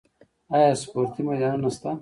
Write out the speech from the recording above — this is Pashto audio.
آیا سپورتي میدانونه شته؟